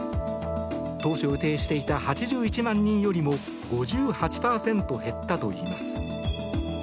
当初予定していた８１万人よりも５８％減ったといいます。